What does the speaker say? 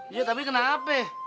iya tapi kenapa